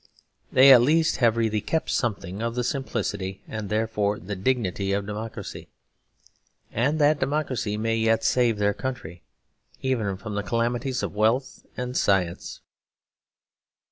They at least have really kept something of the simplicity and, therefore, the dignity of democracy; and that democracy may yet save their country even from the calamities of wealth and science.